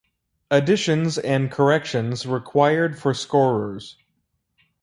Additions and corrections required for scorers.